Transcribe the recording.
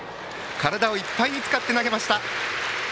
体をいっぱいに使って投げました。